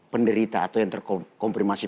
penderita atau yang terkomprimasi